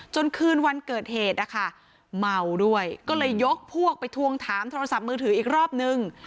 คืนวันเกิดเหตุนะคะเมาด้วยก็เลยยกพวกไปทวงถามโทรศัพท์มือถืออีกรอบนึง